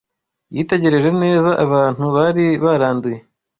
Yitegereje neza abantu bari baranduye